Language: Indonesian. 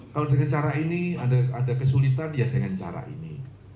kalau dengan cara ini ada kesulitan ya dengan cara ini